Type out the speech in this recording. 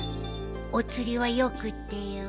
お釣りはよくってよ。